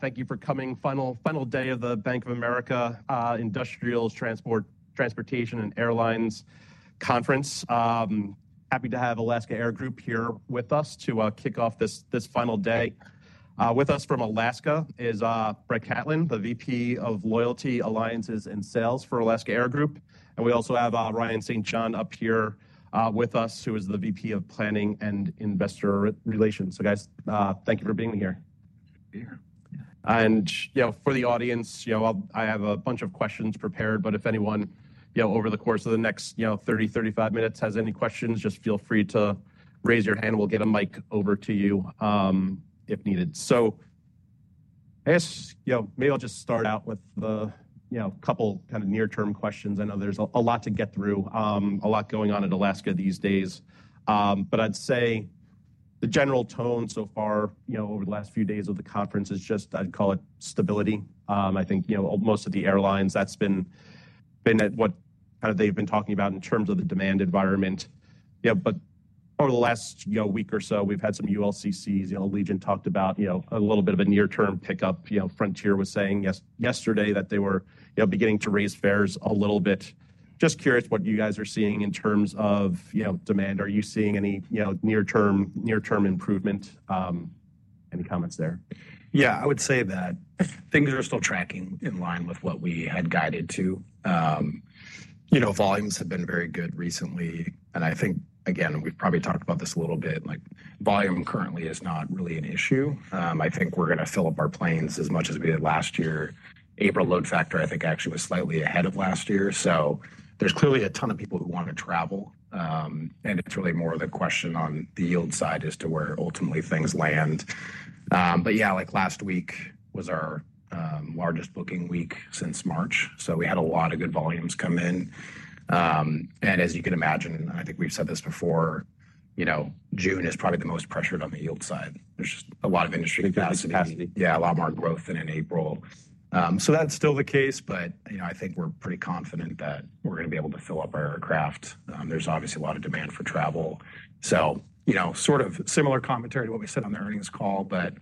Thank you for coming, final day of the Bank of America Industrials, Transport, Transportation, and Airlines Conference. Happy to have Alaska Air Group here with us to kick off this final day. With us from Alaska is Brett Catlin, the VP of Loyalty, Alliances, and Sales for Alaska Air Group. We also have Ryan St. John up here with us, who is the VP of Planning and Investor Relations. Guys, thank you for being here. For the audience, I have a bunch of questions prepared, but if anyone over the course of the next 30-35 minutes has any questions, just feel free to raise your hand. We'll get a mic over to you if needed. I guess maybe I'll just start out with a couple kind of near-term questions. I know there's a lot to get through, a lot going on at Alaska these days. I'd say the general tone so far over the last few days of the conference is just, I'd call it stability. I think most of the airlines, that's been what they've been talking about in terms of the demand environment. Over the last week or so, we've had some ULCCs. Allegiant talked about a little bit of a near-term pickup. Frontier was saying yesterday that they were beginning to raise fares a little bit. Just curious what you guys are seeing in terms of demand. Are you seeing any near-term improvement? Any comments there? Yeah, I would say that things are still tracking in line with what we had guided to. Volumes have been very good recently. I think, again, we've probably talked about this a little bit. Volume currently is not really an issue. I think we're going to fill up our planes as much as we did last year. April load factor, I think, actually was slightly ahead of last year. There is clearly a ton of people who want to travel. It is really more of the question on the yield side as to where ultimately things land. Yeah, last week was our largest booking week since March. We had a lot of good volumes come in. As you can imagine, I think we've said this before, June is probably the most pressured on the yield side. There is just a lot of industry capacity. Yeah, a lot more growth than in April. That is still the case, but I think we're pretty confident that we're going to be able to fill up our aircraft. There's obviously a lot of demand for travel. Sort of similar commentary to what we said on the earnings call, but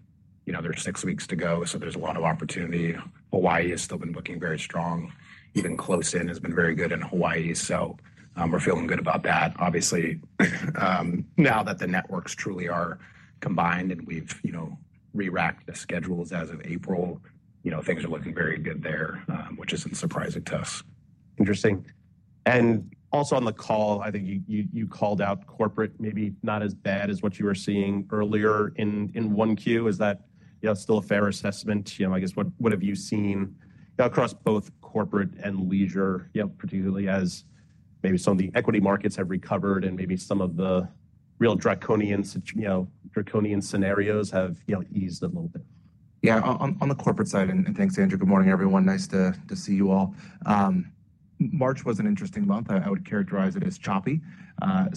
there's six weeks to go, so there's a lot of opportunity. Hawaii has still been booking very strong. Even close in has been very good in Hawaii. We're feeling good about that. Obviously, now that the networks truly are combined and we've re-racked the schedules as of April, things are looking very good there, which is not surprising to us. Interesting. Also, on the call, I think you called out corporate maybe not as bad as what you were seeing earlier in 1Q. Is that still a fair assessment? I guess what have you seen across both corporate and leisure, particularly as maybe some of the equity markets have recovered and maybe some of the real draconian scenarios have eased a little bit? Yeah, on the corporate side, and thanks, Andrew. Good morning, everyone. Nice to see you all. March was an interesting month. I would characterize it as choppy.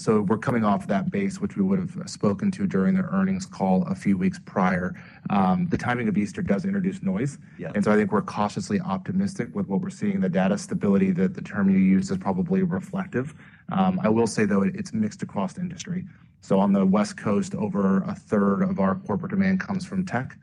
We're coming off that base, which we would have spoken to during the earnings call a few weeks prior. The timing of Easter does introduce noise. I think we're cautiously optimistic with what we're seeing. The data stability, the term you used, is probably reflective. I will say, though, it's mixed across the industry. On the West Coast, over a third of our corporate demand comes from tech.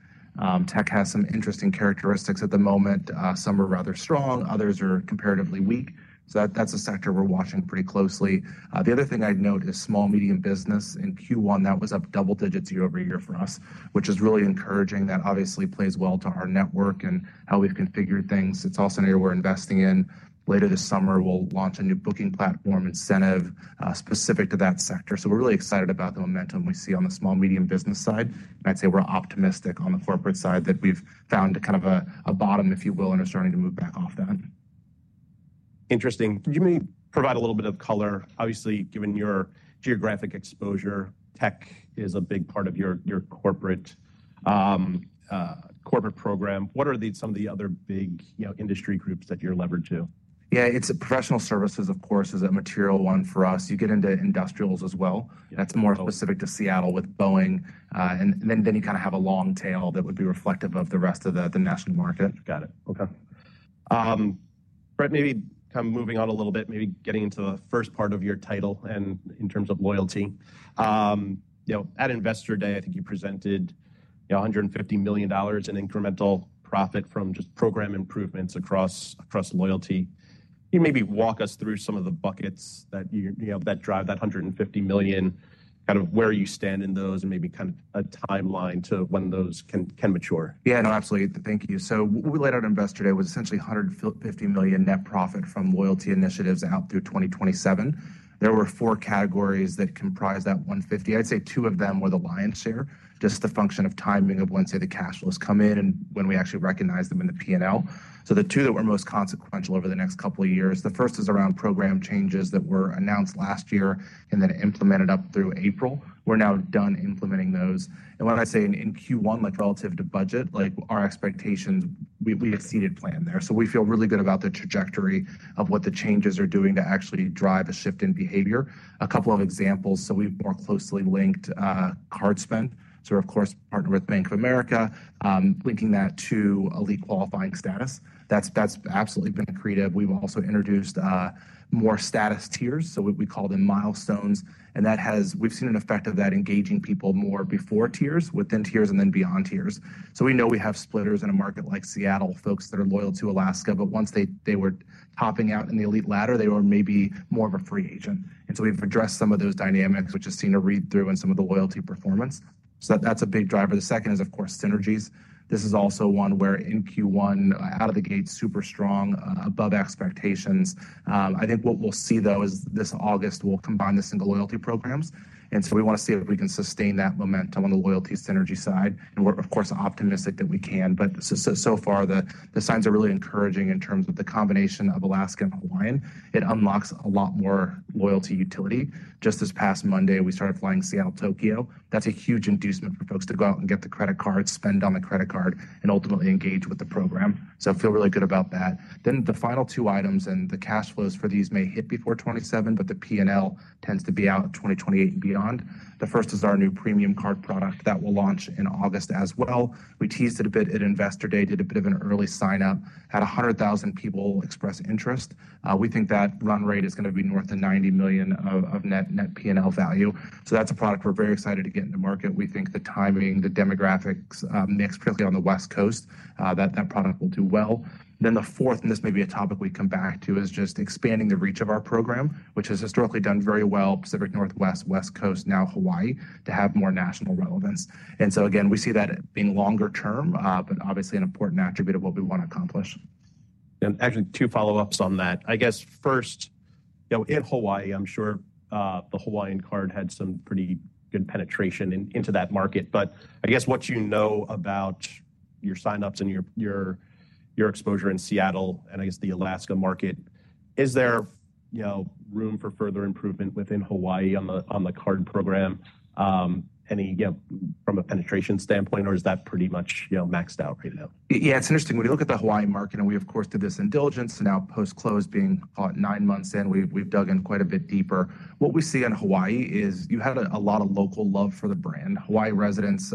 Tech has some interesting characteristics at the moment. Some are rather strong. Others are comparatively weak. That's a sector we're watching pretty closely. The other thing I'd note is small, medium business in Q1, that was up double digits year-over-year for us, which is really encouraging. That obviously plays well to our network and how we've configured things. It is also an area we're investing in. Later this summer, we'll launch a new booking platform incentive specific to that sector. We are really excited about the momentum we see on the small, medium business side. I'd say we're optimistic on the corporate side that we've found kind of a bottom, if you will, and are starting to move back off that. Interesting. Can you maybe provide a little bit of color? Obviously, given your geographic exposure, tech is a big part of your corporate program. What are some of the other big industry groups that you're leveraged to? Yeah, it's professional services, of course, is a material one for us. You get into industrials as well. That's more specific to Seattle with Boeing. And then you kind of have a long tail that would be reflective of the rest of the national market. Got it. Okay. Brett, maybe kind of moving on a little bit, maybe getting into the first part of your title and in terms of loyalty. At Investor Day, I think you presented $150 million in incremental profit from just program improvements across loyalty. You maybe walk us through some of the buckets that drive that $150 million, kind of where you stand in those, and maybe kind of a timeline to when those can mature. Yeah, no, absolutely. Thank you. What we laid out at Investor Day was essentially $150 million net profit from loyalty initiatives out through 2027. There were four categories that comprised that $150 million. I'd say two of them were the lion's share, just the function of timing of when, say, the cash flows come in and when we actually recognize them in the P&L. The two that were most consequential over the next couple of years, the first is around program changes that were announced last year and then implemented up through April. We're now done implementing those. When I say in Q1, relative to budget, our expectations, we exceeded plan there. We feel really good about the trajectory of what the changes are doing to actually drive a shift in behavior. A couple of examples. We've more closely linked card spend. We're, of course, partnered with Bank of America, linking that to elite qualifying status. That's absolutely been creative. We've also introduced more status tiers. We call them milestones. We've seen an effect of that engaging people more before tiers, within tiers, and then beyond tiers. We know we have splitters in a market like Seattle, folks that are loyal to Alaska. Once they were topping out in the elite ladder, they were maybe more of a free agent. We've addressed some of those dynamics, which has seen a read-through in some of the loyalty performance. That's a big driver. The second is, of course, synergies. This is also one where in Q1, out of the gate, super strong, above expectations. I think what we'll see, though, is this August, we'll combine the single loyalty programs. We want to see if we can sustain that momentum on the loyalty synergy side. We are, of course, optimistic that we can. So far, the signs are really encouraging in terms of the combination of Alaska and Hawaiian. It unlocks a lot more loyalty utility. Just this past Monday, we started flying Seattle-Tokyo. That is a huge inducement for folks to go out and get the credit card, spend on the credit card, and ultimately engage with the program. I feel really good about that. The final two items, and the cash flows for these may hit before 2027, but the P&L tends to be out 2028 and beyond. The first is our new premium card product that will launch in August as well. We teased it a bit at Investor Day, did a bit of an early sign-up, had 100,000 people express interest. We think that run rate is going to be north of $90 million of net P&L value. That is a product we are very excited to get into market. We think the timing, the demographics mix, particularly on the West Coast, that that product will do well. The fourth, and this may be a topic we come back to, is just expanding the reach of our program, which has historically done very well, Pacific Northwest, West Coast, now Hawaii, to have more national relevance. We see that being longer term, but obviously an important attribute of what we want to accomplish. Actually, two follow-ups on that. I guess first, in Hawaii, I'm sure the Hawaiian card had some pretty good penetration into that market. I guess what you know about your sign-ups and your exposure in Seattle and I guess the Alaska market, is there room for further improvement within Hawaii on the card program from a penetration standpoint, or is that pretty much maxed out right now? Yeah, it's interesting. When you look at the Hawaii market, and we, of course, did this indulgence, now post-close, being nine months in, we've dug in quite a bit deeper. What we see in Hawaii is you had a lot of local love for the brand. Hawaii residents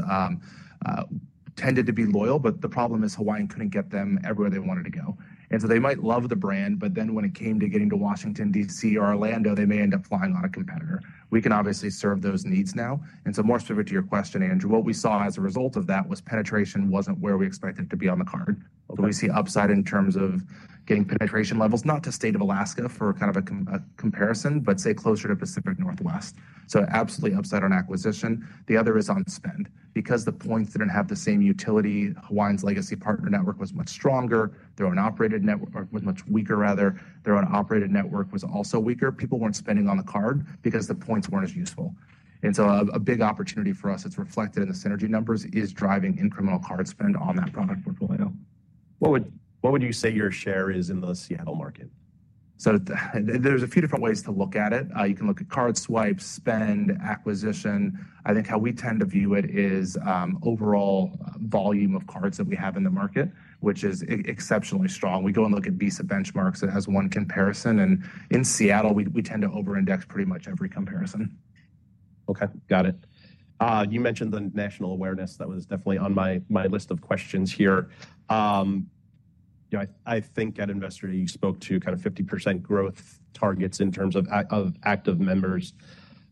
tended to be loyal, but the problem is Hawaiian could not get them everywhere they wanted to go. They might love the brand, but then when it came to getting to Washington, D.C. or Orlando, they may end up flying on a competitor. We can obviously serve those needs now. More specific to your question, Andrew, what we saw as a result of that was penetration was not where we expected to be on the card. We see upside in terms of getting penetration levels, not to state of Alaska for kind of a comparison, but say closer to Pacific Northwest. Absolutely upside on acquisition. The other is on spend. Because the points did not have the same utility, Hawaiian's legacy partner network was much stronger. Their own operated network was also weaker. People were not spending on the card because the points were not as useful. A big opportunity for us that is reflected in the synergy numbers is driving incremental card spend on that product portfolio. What would you say your share is in the Seattle market? There are a few different ways to look at it. You can look at card swipes, spend, acquisition. I think how we tend to view it is overall volume of cards that we have in the market, which is exceptionally strong. We go and look at Visa benchmarks as one comparison. In Seattle, we tend to over-index pretty much every comparison. Okay, got it. You mentioned the national awareness. That was definitely on my list of questions here. I think at Investor, you spoke to kind of 50% growth targets in terms of active members.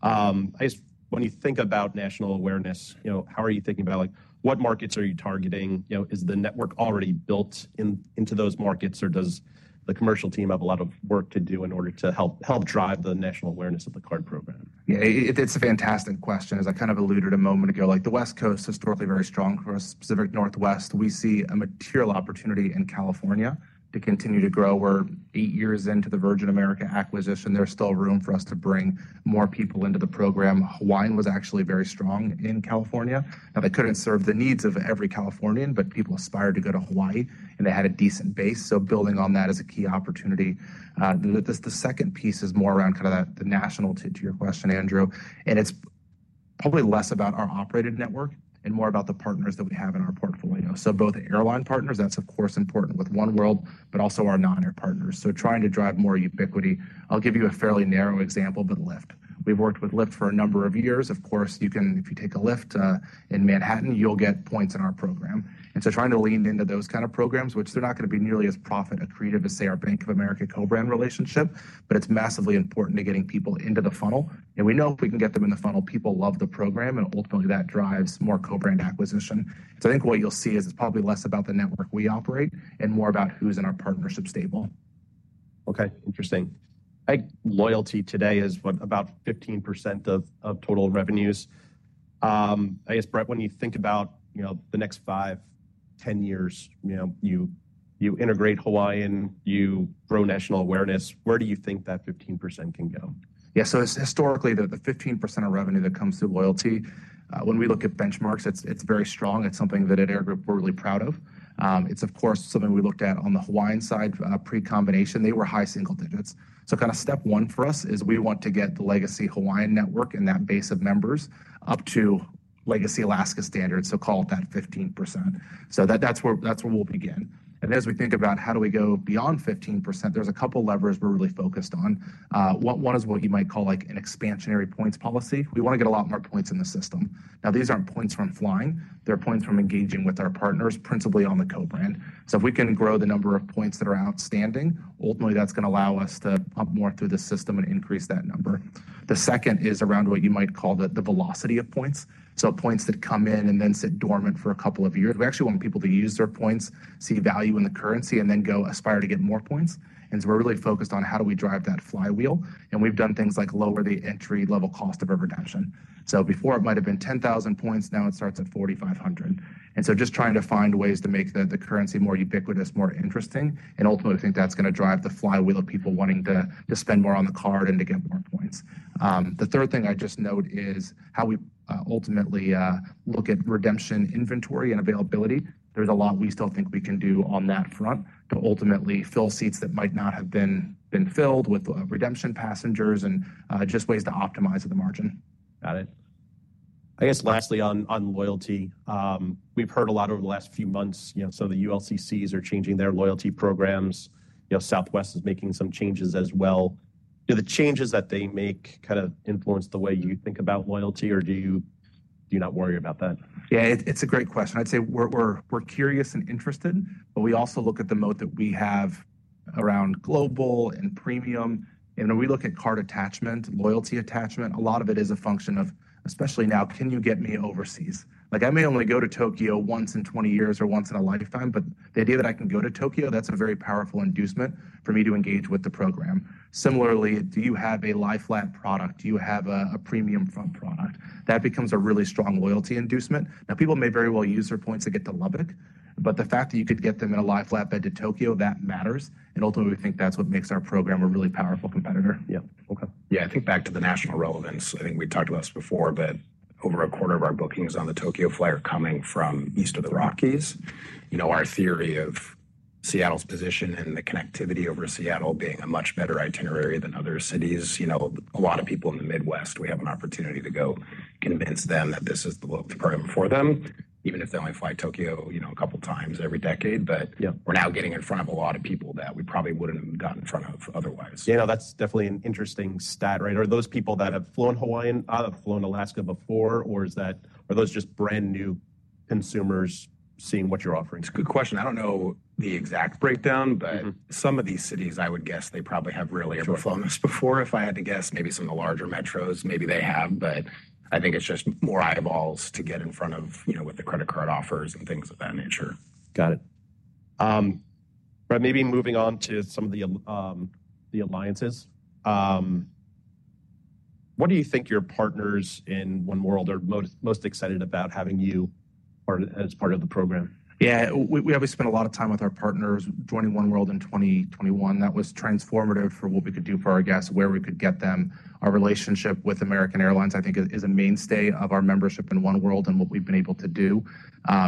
I guess when you think about national awareness, how are you thinking about what markets are you targeting? Is the network already built into those markets, or does the commercial team have a lot of work to do in order to help drive the national awareness of the card program? Yeah, it's a fantastic question. As I kind of alluded a moment ago, the West Coast, historically very strong for us, Pacific Northwest, we see a material opportunity in California to continue to grow. We're eight years into the Virgin America acquisition. There's still room for us to bring more people into the program. Hawaiian was actually very strong in California. Now, they couldn't serve the needs of every Californian, but people aspired to go to Hawaii, and they had a decent base. Building on that is a key opportunity. The second piece is more around kind of the national, to your question, Andrew. It's probably less about our operated network and more about the partners that we have in our portfolio. Both airline partners, that's, of course, important with oneworld, but also our non-air partners. Trying to drive more ubiquity. I'll give you a fairly narrow example, but Lyft. We've worked with Lyft for a number of years. Of course, if you take a Lyft in Manhattan, you'll get points in our program. Trying to lean into those kind of programs, which they're not going to be nearly as profit accretive as, say, our Bank of America co-brand relationship, but it's massively important to getting people into the funnel. We know if we can get them in the funnel, people love the program, and ultimately that drives more co-brand acquisition. I think what you'll see is it's probably less about the network we operate and more about who's in our partnership stable. Okay, interesting. I think loyalty today is about 15% of total revenues. I guess, Brett, when you think about the next five, 10 years, you integrate Hawaiian, you grow national awareness, where do you think that 15% can go? Yeah, so historically, the 15% of revenue that comes through loyalty, when we look at benchmarks, it's very strong. It's something that at Air Group we're really proud of. It's, of course, something we looked at on the Hawaiian side, pre-combination. They were high single digits. Step one for us is we want to get the legacy Hawaiian network and that base of members up to legacy Alaska standards, so call it that 15%. That's where we'll begin. As we think about how do we go beyond 15%, there's a couple of levers we're really focused on. One is what you might call an expansionary points policy. We want to get a lot more points in the system. Now, these aren't points from flying. They're points from engaging with our partners, principally on the co-brand. If we can grow the number of points that are outstanding, ultimately that is going to allow us to pump more through the system and increase that number. The second is around what you might call the velocity of points. Points that come in and then sit dormant for a couple of years. We actually want people to use their points, see value in the currency, and then go aspire to get more points. We are really focused on how do we drive that flywheel. We have done things like lower the entry-level cost of a redemption. Before it might have been 10,000 points, now it starts at 4,500. Just trying to find ways to make the currency more ubiquitous, more interesting. Ultimately, I think that's going to drive the flywheel of people wanting to spend more on the card and to get more points. The third thing I just note is how we ultimately look at redemption inventory and availability. There's a lot we still think we can do on that front to ultimately fill seats that might not have been filled with redemption passengers and just ways to optimize the margin. Got it. I guess lastly on loyalty, we've heard a lot over the last few months. The ULCCs are changing their loyalty programs. Southwest is making some changes as well. Do the changes that they make kind of influence the way you think about loyalty, or do you not worry about that? Yeah, it's a great question. I'd say we're curious and interested, but we also look at the moat that we have around global and premium. When we look at card attachment, loyalty attachment, a lot of it is a function of, especially now, can you get me overseas? I may only go to Tokyo once in 20 years or once in a lifetime, but the idea that I can go to Tokyo, that's a very powerful inducement for me to engage with the program. Similarly, do you have a lie-flat product? Do you have a premium front product? That becomes a really strong loyalty inducement. Now, people may very well use their points to get to Lubbock, but the fact that you could get them in a lie-flat bed to Tokyo, that matters. Ultimately, we think that's what makes our program a really powerful competitor. Yeah. Okay. Yeah, I think back to the national relevance. I think we talked about this before, but over a quarter of our bookings on the Tokyo flight are coming from east of the Rockies. Our theory of Seattle's position and the connectivity over Seattle being a much better itinerary than other cities, a lot of people in the Midwest, we have an opportunity to go convince them that this is the program for them, even if they only fly Tokyo a couple of times every decade. We are now getting in front of a lot of people that we probably would not have gotten in front of otherwise. Yeah, no, that's definitely an interesting stat, right? Are those people that have flown Hawaiian, have flown Alaska before, or are those just brand new consumers seeing what you're offering? It's a good question. I don't know the exact breakdown, but some of these cities, I would guess they probably have really overflown this before. If I had to guess, maybe some of the larger metros, maybe they have, but I think it's just more eyeballs to get in front of what the credit card offers and things of that nature. Got it. Maybe moving on to some of the alliances. What do you think your partners in oneworld are most excited about having you as part of the program? Yeah, we obviously spent a lot of time with our partners joining oneworld in 2021. That was transformative for what we could do for our guests, where we could get them. Our relationship with American Airlines, I think, is a mainstay of our membership in oneworld and what we've been able to do.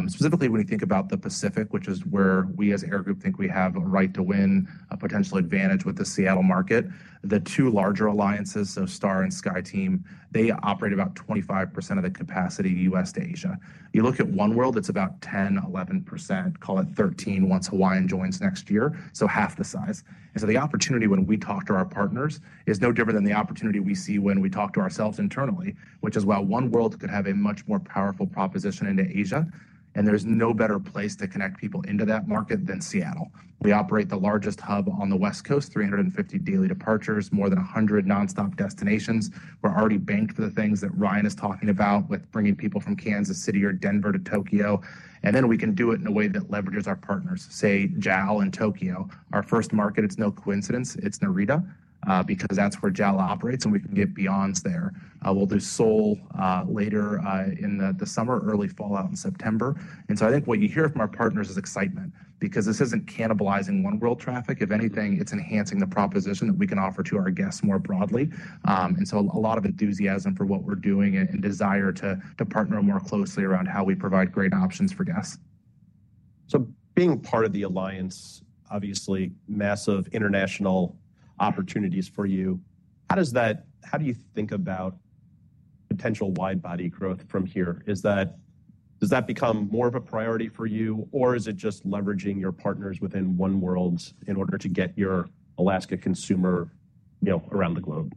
Specifically, when you think about the Pacific, which is where we as an air group think we have a right to win a potential advantage with the Seattle market, the two larger alliances, so Star and SkyTeam, they operate about 25% of the capacity U.S. to Asia. You look at oneworld, it's about 10%, 11%, call it 13% once Hawaiian joins next year, so half the size. The opportunity when we talk to our partners is no different than the opportunity we see when we talk to ourselves internally, which is while oneworld could have a much more powerful proposition into Asia, and there is no better place to connect people into that market than Seattle. We operate the largest hub on the West Coast, 350 daily departures, more than 100 nonstop destinations. We are already banked for the things that Ryan is talking about with bringing people from Kansas City or Denver to Tokyo. We can do it in a way that leverages our partners, say, JAL in Tokyo. Our first market, it is no coincidence, is Narita, because that is where JAL operates, and we can get beyonds there. We will do Seoul later in the summer, early fall out in September. I think what you hear from our partners is excitement, because this is not cannibalizing oneworld traffic. If anything, it is enhancing the proposition that we can offer to our guests more broadly. There is a lot of enthusiasm for what we are doing and desire to partner more closely around how we provide great options for guests. Being part of the alliance, obviously, massive international opportunities for you. How do you think about potential wide-body growth from here? Does that become more of a priority for you, or is it just leveraging your partners within oneworld in order to get your Alaska consumer around the globe?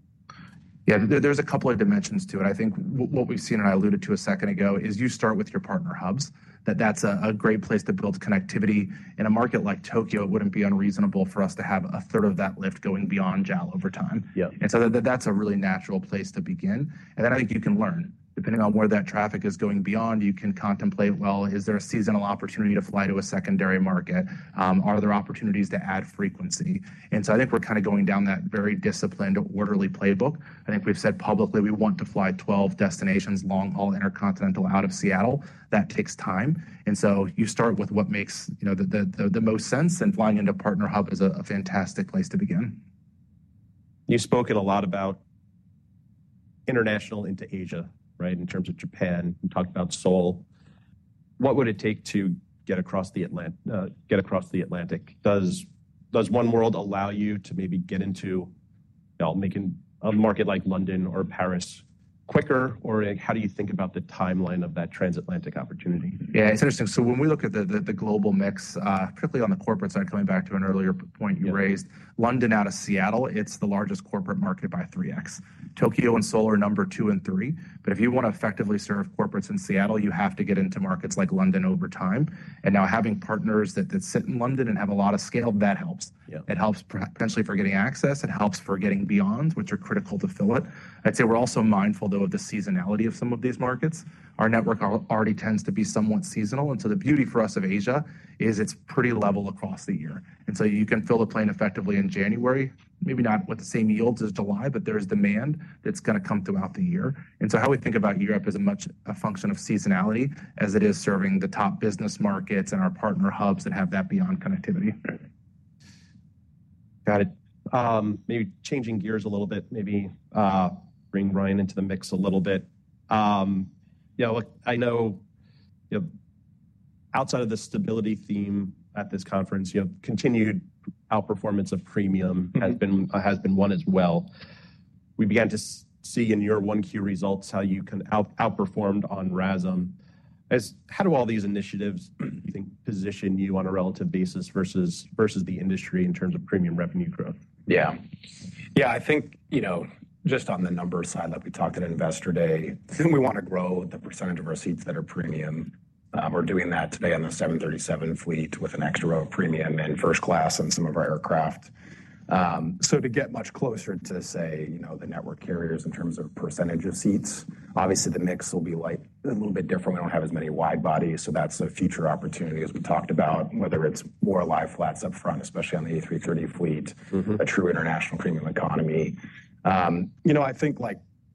Yeah, there's a couple of dimensions to it. I think what we've seen, and I alluded to a second ago, is you start with your partner hubs, that that's a great place to build connectivity. In a market like Tokyo, it wouldn't be unreasonable for us to have a third of that lift going beyond JAL over time. That's a really natural place to begin. I think you can learn. Depending on where that traffic is going beyond, you can contemplate, well, is there a seasonal opportunity to fly to a secondary market? Are there opportunities to add frequency? I think we're kind of going down that very disciplined orderly playbook. I think we've said publicly we want to fly 12 destinations long-haul intercontinental out of Seattle. That takes time. You start with what makes the most sense, and flying into partner hub is a fantastic place to begin. You spoke a lot about international into Asia, right, in terms of Japan. You talked about Seoul. What would it take to get across the Atlantic? Does oneworld allow you to maybe get into making a market like London or Paris quicker, or how do you think about the timeline of that transatlantic opportunity? Yeah, it's interesting. When we look at the global mix, particularly on the corporate side, coming back to an earlier point you raised, London out of Seattle, it's the largest corporate market by 3x. Tokyo and Seoul are number two and three. If you want to effectively serve corporates in Seattle, you have to get into markets like London over time. Now having partners that sit in London and have a lot of scale, that helps. It helps potentially for getting access. It helps for getting beyond, which are critical to fill it. I'd say we're also mindful, though, of the seasonality of some of these markets. Our network already tends to be somewhat seasonal. The beauty for us of Asia is it's pretty level across the year. You can fill the plane effectively in January, maybe not with the same yields as July, but there is demand that is going to come throughout the year. How we think about Europe is a function of seasonality as it is serving the top business markets and our partner hubs that have that beyond connectivity. Got it. Maybe changing gears a little bit, maybe bring Ryan into the mix a little bit. I know outside of the stability theme at this conference, continued outperformance of premium has been one as well. We began to see in your 1Q results how you outperformed on RASM. How do all these initiatives, you think, position you on a relative basis versus the industry in terms of premium revenue growth? Yeah. Yeah, I think just on the numbers side that we talked at Investor Day, we want to grow the percentage of our seats that are premium. We're doing that today on the 737 fleet with an extra row of premium and first class in some of our aircraft. To get much closer to, say, the network carriers in terms of percentage of seats, obviously the mix will be a little bit different. We don't have as many wide-bodies. That's a future opportunity as we talked about, whether it's more lie flats up front, especially on the A330 fleet, a true international premium economy. You know, I think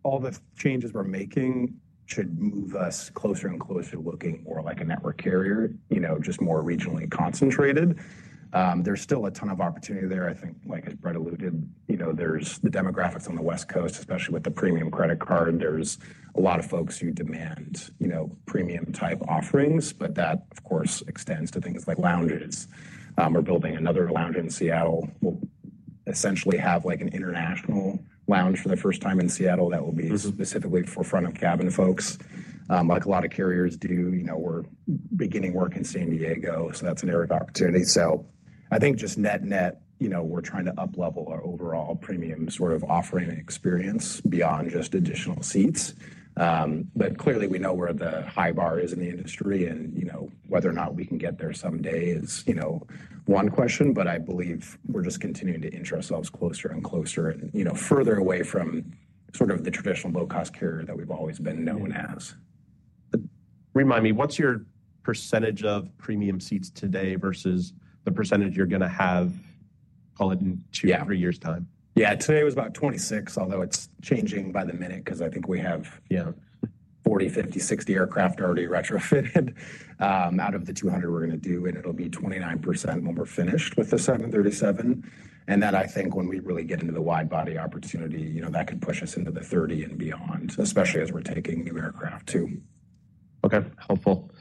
all the changes we're making should move us closer and closer to looking more like a network carrier, just more regionally concentrated. There's still a ton of opportunity there. I think, like as Brett alluded, there's the demographics on the West Coast, especially with the premium credit card. There's a lot of folks who demand premium-type offerings, but that, of course, extends to things like lounges. We're building another lounge in Seattle. We'll essentially have an international lounge for the first time in Seattle that will be specifically for front-of-cabin folks. Like a lot of carriers do, we're beginning work in San Diego, so that's an area of opportunity. I think just net net, we're trying to uplevel our overall premium sort of offering experience beyond just additional seats. Clearly, we know where the high bar is in the industry. And whether or not we can get there someday is one question, but I believe we're just continuing to inch ourselves closer and closer and further away from sort of the traditional low-cost carrier that we've always been known as. Remind me, what's your percentage of premium seats today versus the percentage you're going to have, call it in two, three years' time? Yeah, today was about 26%, although it's changing by the minute because I think we have 40, 50, 60 aircraft already retrofitted out of the 200 we're going to do, and it'll be 29% when we're finished with the 737. And then I think when we really get into the wide-body opportunity, that could push us into the 30% and beyond, especially as we're taking new aircraft too. Okay, helpful.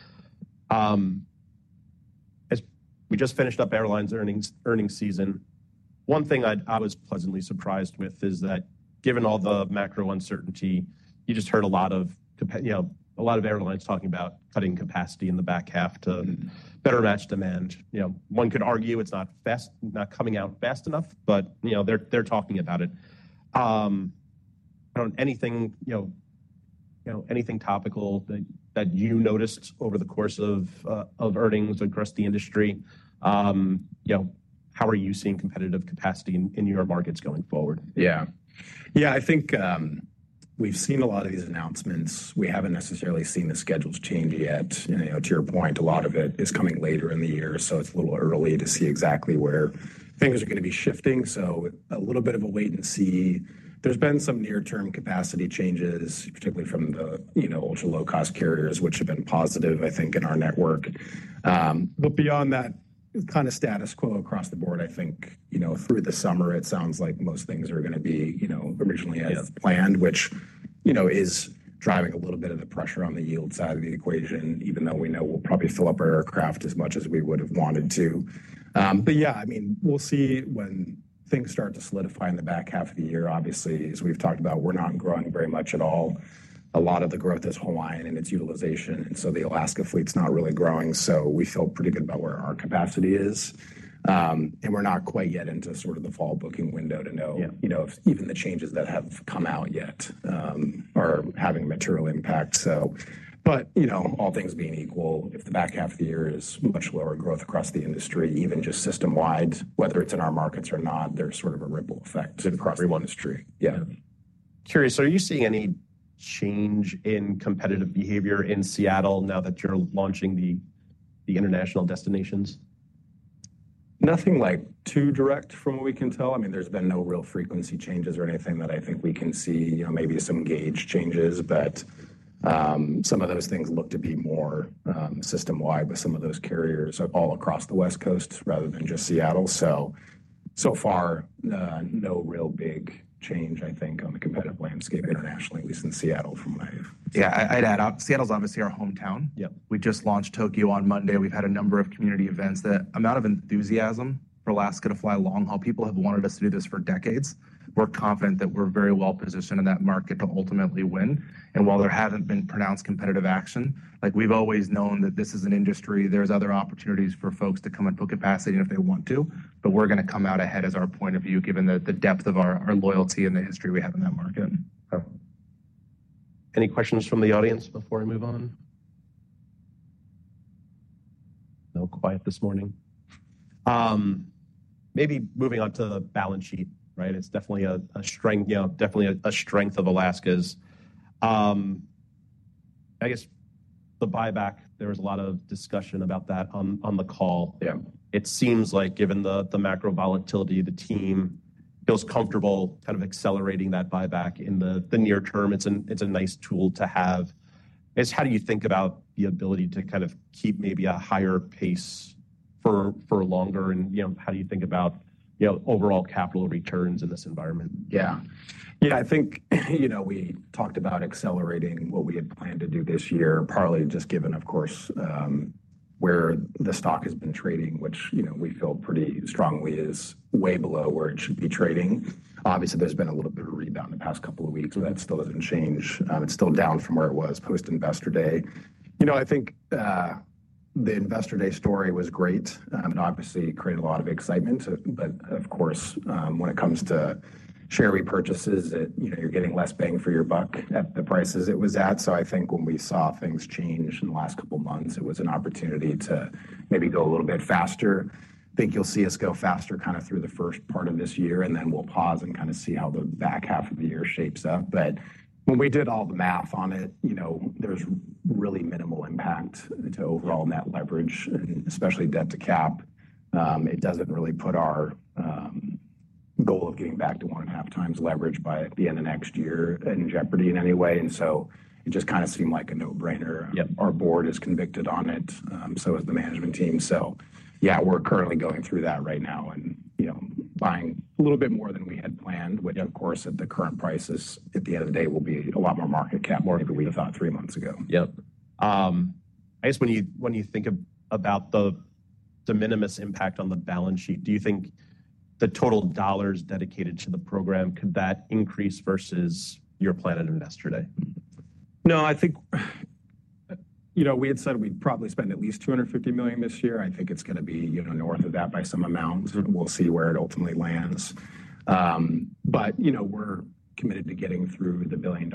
We just finished up airlines earnings season. One thing I was pleasantly surprised with is that given all the macro uncertainty, you just heard a lot of airlines talking about cutting capacity in the back half to better match demand. One could argue it's not coming out fast enough, but they're talking about it. Anything topical that you noticed over the course of earnings across the industry? How are you seeing competitive capacity in your markets going forward? Yeah. Yeah, I think we've seen a lot of these announcements. We haven't necessarily seen the schedules change yet. To your point, a lot of it is coming later in the year, so it's a little early to see exactly where things are going to be shifting. A little bit of a wait and see. There's been some near-term capacity changes, particularly from the ultra-low-cost carriers, which have been positive, I think, in our network. Beyond that, kind of status quo across the board. I think through the summer, it sounds like most things are going to be originally as planned, which is driving a little bit of the pressure on the yield side of the equation, even though we know we'll probably fill up our aircraft as much as we would have wanted to. Yeah, I mean, we'll see when things start to solidify in the back half of the year. Obviously, as we've talked about, we're not growing very much at all. A lot of the growth is Hawaiian and its utilization. The Alaska fleet's not really growing. We feel pretty good about where our capacity is. We're not quite yet into sort of the fall booking window to know if even the changes that have come out yet are having material impact. All things being equal, if the back half of the year is much lower growth across the industry, even just system-wide, whether it's in our markets or not, there's sort of a ripple effect across the industry. Curious, are you seeing any change in competitive behavior in Seattle now that you're launching the international destinations? Nothing like too direct from what we can tell. I mean, there's been no real frequency changes or anything that I think we can see. Maybe some gauge changes, but some of those things look to be more system-wide with some of those carriers all across the West Coast rather than just Seattle. So far, no real big change, I think, on the competitive landscape internationally, at least in Seattle from what I've seen. Yeah, I'd add up. Seattle's obviously our hometown. We just launched Tokyo on Monday. We've had a number of community events. The amount of enthusiasm for Alaska to fly long-haul, people have wanted us to do this for decades. We're confident that we're very well positioned in that market to ultimately win. While there haven't been pronounced competitive action, we've always known that this is an industry. There are other opportunities for folks to come and put capacity in if they want to, but we're going to come out ahead as our point of view, given the depth of our loyalty and the history we have in that market. Any questions from the audience before we move on? No, quiet this morning. Maybe moving on to the balance sheet, right? It's definitely a strength of Alaska's. I guess the buyback, there was a lot of discussion about that on the call. It seems like given the macro volatility, the team feels comfortable kind of accelerating that buyback in the near term. It's a nice tool to have. How do you think about the ability to kind of keep maybe a higher pace for longer? And how do you think about overall capital returns in this environment? Yeah. Yeah, I think we talked about accelerating what we had planned to do this year, partly just given, of course, where the stock has been trading, which we feel pretty strongly is way below where it should be trading. Obviously, there's been a little bit of rebound in the past couple of weeks, but that still doesn't change. It's still down from where it was post-investor day. I think the investor day story was great and obviously created a lot of excitement. Of course, when it comes to share repurchases, you're getting less bang for your buck at the prices it was at. I think when we saw things change in the last couple of months, it was an opportunity to maybe go a little bit faster. I think you'll see us go faster kind of through the first part of this year, and then we'll pause and kind of see how the back half of the year shapes up. When we did all the math on it, there's really minimal impact to overall net leverage, especially debt to cap. It doesn't really put our goal of getting back to one and a half times leverage by the end of next year in jeopardy in any way. It just kind of seemed like a no-brainer. Our board is convicted on it, so is the management team. Yeah, we're currently going through that right now and buying a little bit more than we had planned, which of course at the current prices at the end of the day will be a lot more market cap more than we thought three months ago. Yep. I guess when you think about the de minimis impact on the balance sheet, do you think the total dollars dedicated to the program, could that increase versus your plan at Investor Day? No, I think we had said we'd probably spend at least $250 million this year. I think it's going to be north of that by some amount. We'll see where it ultimately lands. We're committed to getting through the $1 billion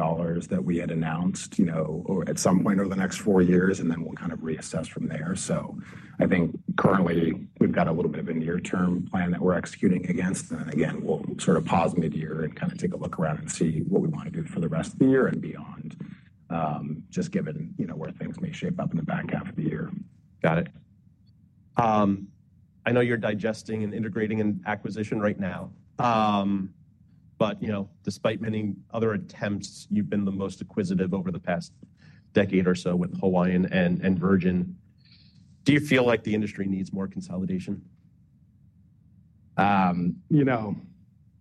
that we had announced at some point over the next four years, and then we'll kind of reassess from there. I think currently we've got a little bit of a near-term plan that we're executing against. Again, we'll sort of pause mid-year and kind of take a look around and see what we want to do for the rest of the year and beyond, just given where things may shape up in the back half of the year. Got it. I know you're digesting and integrating an acquisition right now, but despite many other attempts, you've been the most acquisitive over the past decade or so with Hawaiian and Virgin. Do you feel like the industry needs more consolidation? You know,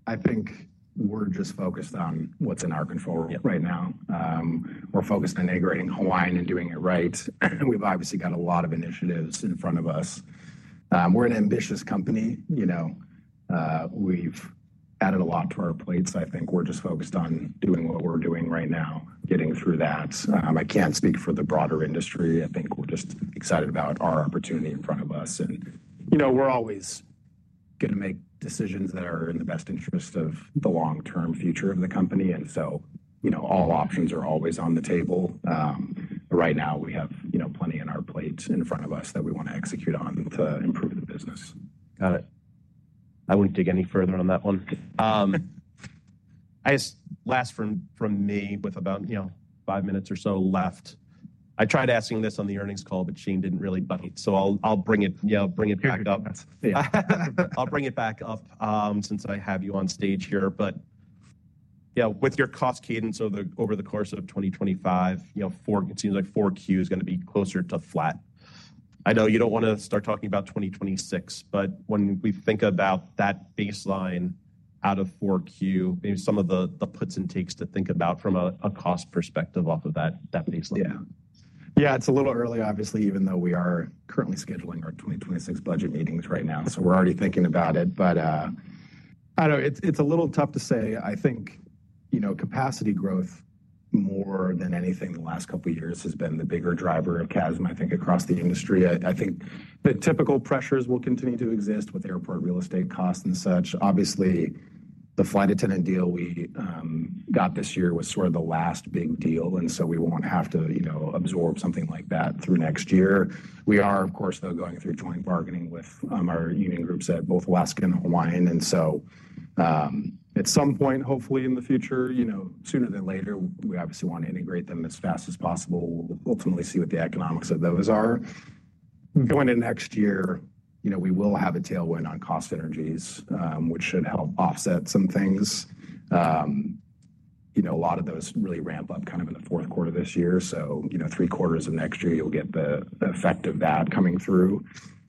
I think we're just focused on what's in our control right now. We're focused on integrating Hawaiian and doing it right. We've obviously got a lot of initiatives in front of us. We're an ambitious company. We've added a lot to our plates. I think we're just focused on doing what we're doing right now, getting through that. I can't speak for the broader industry. I think we're just excited about our opportunity in front of us. We're always going to make decisions that are in the best interest of the long-term future of the company. All options are always on the table. Right now, we have plenty on our plate in front of us that we want to execute on to improve the business. Got it. I would not dig any further on that one. I guess last from me with about five minutes or so left. I tried asking this on the earnings call, but Shane did not really bite it. I will bring it back up. I will bring it back up since I have you on stage here. Yeah, with your cost cadence over the course of 2025, it seems like 4Q is going to be closer to flat. I know you do not want to start talking about 2026, but when we think about that baseline out of 4Q, maybe some of the puts and takes to think about from a cost perspective off of that baseline. Yeah. Yeah, it's a little early, obviously, even though we are currently scheduling our 2026 budget meetings right now. So we're already thinking about it. I don't know, it's a little tough to say. I think capacity growth more than anything in the last couple of years has been the bigger driver of CASM, I think, across the industry. I think the typical pressures will continue to exist with airport real estate costs and such. Obviously, the flight attendant deal we got this year was sort of the last big deal. We won't have to absorb something like that through next year. We are, of course, though, going through joint bargaining with our union groups at both Alaska and Hawaiian. At some point, hopefully in the future, sooner than later, we obviously want to integrate them as fast as possible. We'll ultimately see what the economics of those are. Going into next year, we will have a tailwind on cost synergies, which should help offset some things. A lot of those really ramp up kind of in the fourth quarter of this year. For three quarters of next year, you'll get the effect of that coming through.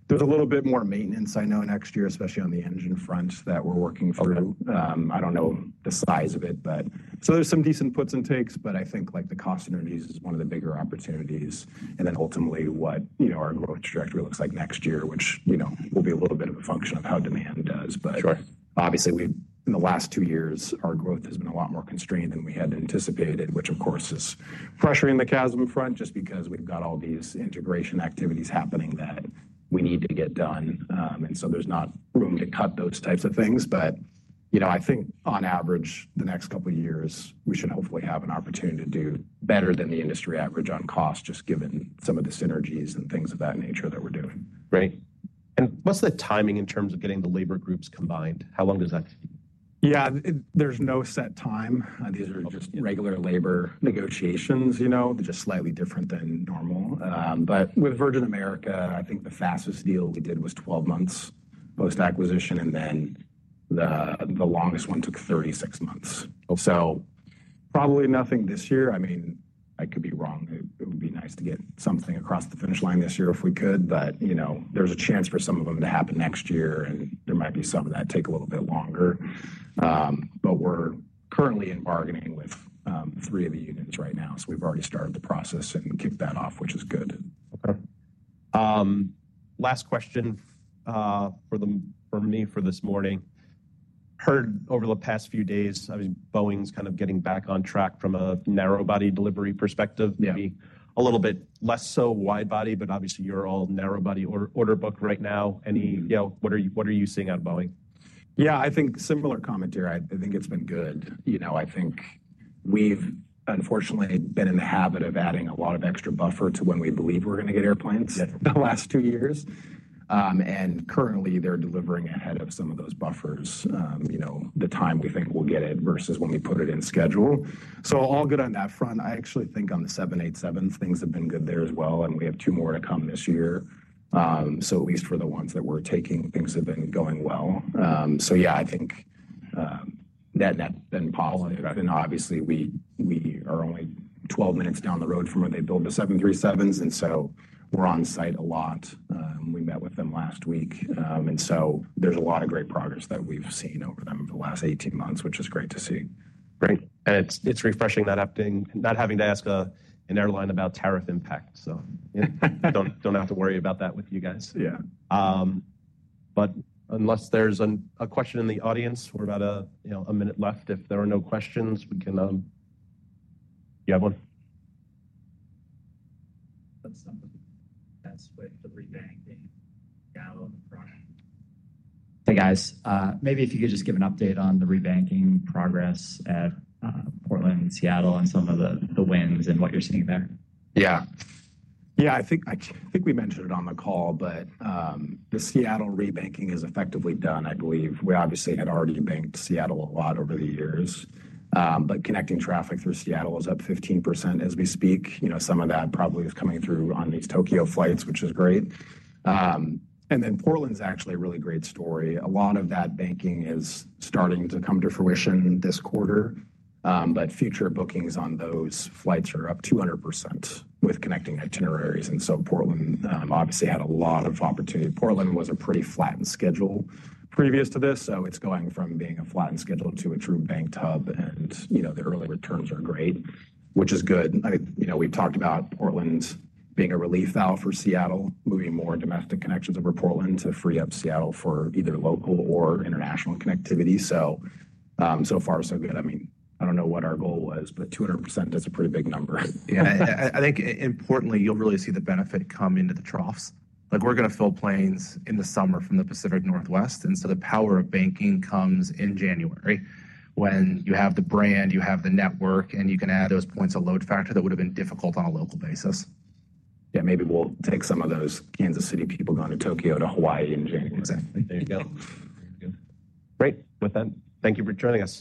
There's a little bit more maintenance, I know, next year, especially on the engine front that we're working through. I don't know the size of it, but so there's some decent puts and takes, but I think the cost synergies is one of the bigger opportunities. And then ultimately what our growth trajectory looks like next year, which will be a little bit of a function of how demand does. Obviously, in the last two years, our growth has been a lot more constrained than we had anticipated, which of course is pressuring the CASM front just because we've got all these integration activities happening that we need to get done. There is not room to cut those types of things. I think on average, the next couple of years, we should hopefully have an opportunity to do better than the industry average on cost, just given some of the synergies and things of that nature that we're doing. Great. What's the timing in terms of getting the labor groups combined? How long does that take? Yeah, there's no set time. These are just regular labor negotiations. They're just slightly different than normal. With Virgin America, I think the fastest deal we did was 12 months post-acquisition, and then the longest one took 36 months. Probably nothing this year. I mean, I could be wrong. It would be nice to get something across the finish line this year if we could, but there's a chance for some of them to happen next year, and there might be some that take a little bit longer. We're currently in bargaining with three of the unions right now. We've already started the process and kicked that off, which is good. Okay. Last question for me for this morning. Heard over the past few days, I mean, Boeing's kind of getting back on track from a narrow-body delivery perspective, maybe a little bit less so wide-body, but obviously you're all narrow-body order book right now. What are you seeing out of Boeing? Yeah, I think similar commentary. I think it's been good. I think we've unfortunately been in the habit of adding a lot of extra buffer to when we believe we're going to get airplanes in the last two years. Currently, they're delivering ahead of some of those buffers, the time we think we'll get it versus when we put it in schedule. All good on that front. I actually think on the 787s, things have been good there as well. We have two more to come this year. At least for the ones that we're taking, things have been going well. Yeah, I think that net's been positive. Obviously, we are only 12 minutes down the road from where they build the 737s. We're on site a lot. We met with them last week. There is a lot of great progress that we've seen over them over the last 18 months, which is great to see. Great. It is refreshing not having to ask an airline about tariff impact. Do not have to worry about that with you guys. Yeah. Unless there's a question in the audience, we're about a minute left. If there are no questions, we can—do you have one? That's something that's with the rebanking down on the front. Hey, guys. Maybe if you could just give an update on the rebanking progress at Portland and Seattle and some of the wins and what you're seeing there. Yeah. Yeah, I think we mentioned it on the call, but the Seattle rebanking is effectively done, I believe. We obviously had already banked Seattle a lot over the years. Connecting traffic through Seattle is up 15% as we speak. Some of that probably is coming through on these Tokyo flights, which is great. Portland's actually a really great story. A lot of that banking is starting to come to fruition this quarter. Future bookings on those flights are up 200% with connecting itineraries. Portland obviously had a lot of opportunity. Portland was a pretty flattened schedule previous to this. It is going from being a flattened schedule to a true banked hub. The early returns are great, which is good. I mean, we've talked about Portland being a relief valve for Seattle, moving more domestic connections over Portland to free up Seattle for either local or international connectivity. So far, so good. I mean, I don't know what our goal was, but 200% is a pretty big number. Yeah. I think importantly, you'll really see the benefit come into the troughs. We're going to fill planes in the summer from the Pacific Northwest. The power of banking comes in January when you have the brand, you have the network, and you can add those points of load factor that would have been difficult on a local basis. Yeah, maybe we'll take some of those Kansas City people going to Tokyo to Hawaii in January. Exactly. There you go. There you go. Great. With that, thank you for joining us.